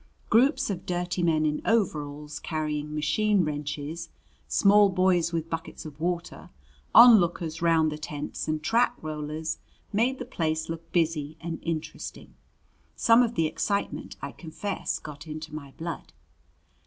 Groups of dirty men in overalls, carrying machine wrenches, small boys with buckets of water, onlookers round the tents and track rollers made the place look busy and interesting. Some of the excitement, I confess, got into my blood.